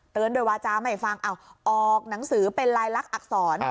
เตือนโดยวาจาไม่ฟังออกหนังสือเป็นลายลักษณ์อักษร